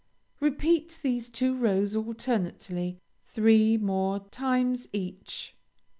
Repeat these two rows alternately three more times each.